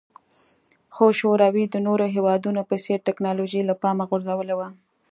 خو شوروي د نورو هېوادونو په څېر ټکنالوژي له پامه غورځولې وه